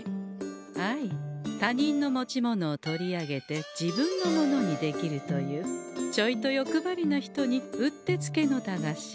あい他人の持ち物を取り上げて自分のものにできるというちょいと欲張りな人にうってつけの駄菓子。